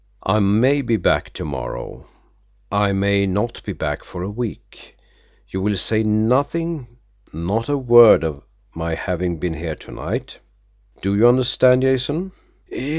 I may be back to morrow; I may not be back for a week. You will say nothing, not a word, of my having been here to night. Do you understand, Jason?"